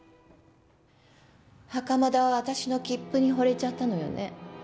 袴田は私のきっぷにほれちゃったのよね。